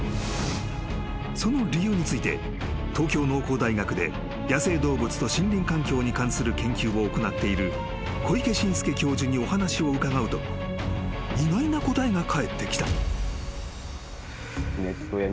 ［その理由について東京農工大学で野生動物と森林環境に関する研究を行っている小池伸介教授にお話を伺うと意外な答えが返ってきた］